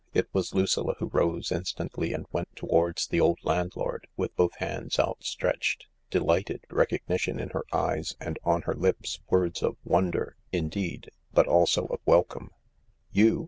It was Lucilla who rose instantly and went towards the old landlord, with both hands outstretched, delighted recognition in her eyes, and on her lips—words of wonder, indeed, but also of welcome. " You